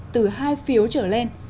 từ hai phiếu trở lên